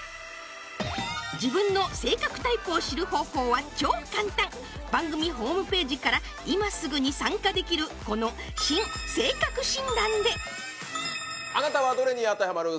自分の性格タイプを知る方法は超簡単番組ホームページから今すぐに参加できるこの「新・性格診断」で「あなたはどれに当てはまる？